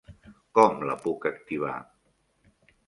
Com la puc activar?